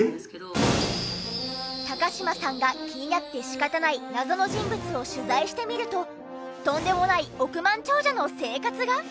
高嶋さんが気になって仕方ない謎の人物を取材してみるととんでもない億万長者の生活が！？